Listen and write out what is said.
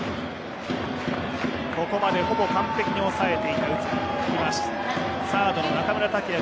ここまでほぼ完璧に抑えていた内海。